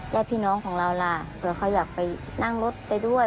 ญาติพี่น้องของเราล่ะเผื่อเขาอยากไปนั่งรถไปด้วย